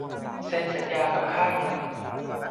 เซ็นสัญญากับค่ายใหม่